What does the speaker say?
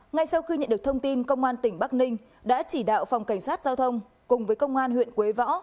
ngay sau khi nhận được thông tin công an tỉnh bắc ninh đã chỉ đạo phòng cảnh sát giao thông cùng với công an huyện quế võ